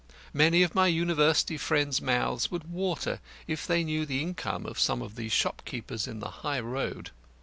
Many of my university friends' mouths would water if they knew the income of some of the shopkeepers in the High Road.